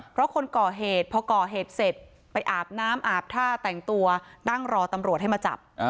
เพราะคนก่อเหตุพอก่อเหตุเสร็จไปอาบน้ำอาบท่าแต่งตัวนั่งรอตำรวจให้มาจับ